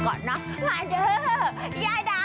มาเด้อยายดาวข้าวอีน้า